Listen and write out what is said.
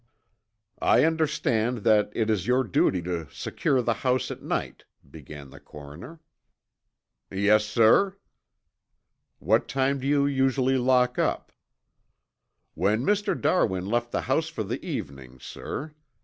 "I understand that it is your duty to secure the house at night," began the coroner. "Yes, sir." "What time do you usually lock up?" "When Mr. Darwin left the house for the evening, sir.